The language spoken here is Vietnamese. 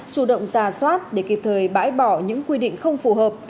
chủ động ra soát để kịp thời bãi bỏ những quy định không phù hợp